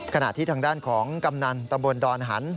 ขณะที่ทางด้านของกำนันตำบลดอนหัน